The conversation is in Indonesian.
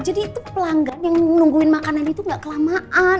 jadi itu pelanggan yang nungguin makanan itu gak kelamaan